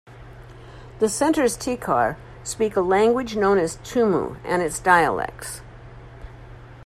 The Centre's Tikar speak a language known as Tumu and its dialects.